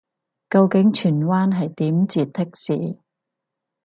究竟荃灣係點截的士